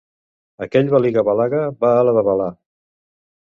Aquell baliga-balaga va a la babalà.